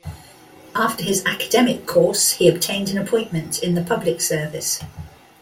After his academic course, he obtained an appointment in the public service.